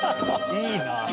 いいなあ。